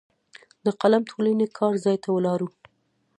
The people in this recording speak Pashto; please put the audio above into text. د قلم ټولنې کار ځای ته ولاړو.